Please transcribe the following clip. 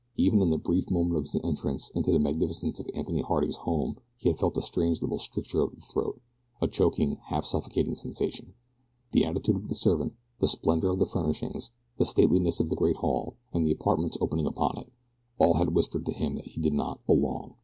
Even in the brief moment of his entrance into the magnificence of Anthony Harding's home he had felt a strange little stricture of the throat a choking, half suffocating sensation. The attitude of the servant, the splendor of the furnishings, the stateliness of the great hall, and the apartments opening upon it all had whispered to him that he did not "belong."